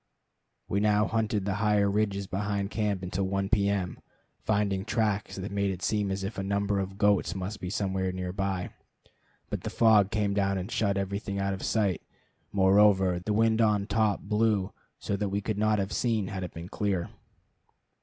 We now hunted the higher ridges behind camp until 1 P. M., finding tracks that made it seem as if a number of goats must be somewhere near by. But the fog came down and shut everything out of sight; moreover, the wind on top blew so that we could not have seen had it been clear.